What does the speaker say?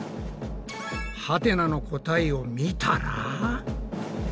ハテナの答えを見たら。